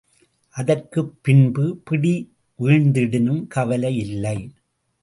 அதற்குப் பின்பு பிடி வீழ்ந்திடினும் கவலை இல்லை.